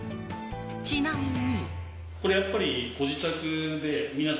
ちなみに。